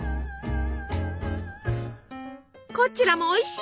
こちらもおいしい！